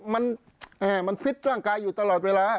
มันมันกำลังไหวอยู่ตลอดเวลา